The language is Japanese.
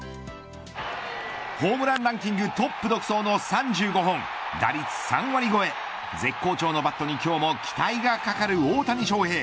ホームランランキングトップ独走の３５本打率３割超え好調なバットに今日も期待がかかる大谷翔平。